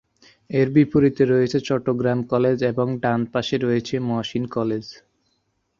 এর বিপরীতে রয়েছে চট্টগ্রাম কলেজ এবং ডান পাশে মহসিন কলেজ।